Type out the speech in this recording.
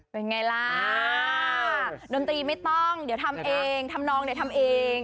เป็นไงล่ะดนตรีไม่ต้องเดี๋ยวทำเองทำนองเดี๋ยวทำเอง